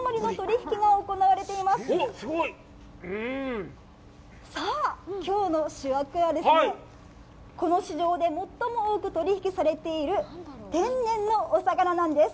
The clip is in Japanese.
すごい！さあ、きょうの主役は、この市場で最も多く取引されている天然のお魚なんです。